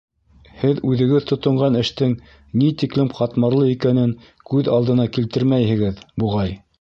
Һеҙ үҙегеҙ тотонған эштең ни тиклем ҡатмарлы икәнен күҙ алдына килтермәйһегеҙ, буғай.